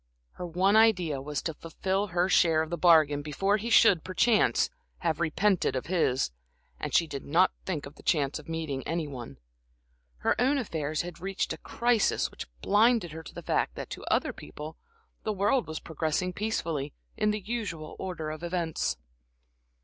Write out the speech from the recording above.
Her one idea was to fulfil her share of the bargain before he should, perchance, have repented of his, and she did not think of the chance of meeting any one. Her own affairs had reached a crisis which blinded her to the fact that to other people, the world was progressing peacefully, in the usual order of events.